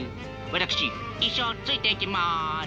私一生ついていきます。